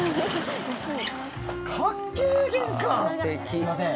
すいません。